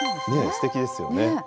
すてきですよね。